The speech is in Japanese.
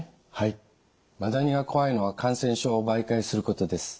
マダニが怖いのは感染症を媒介することです。